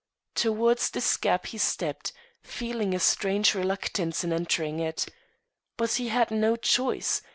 Towards this gap he stepped, feeling a strange reluctance in entering it. But he had no choice.